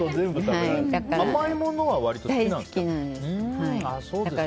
甘いものは割と好きなんですか？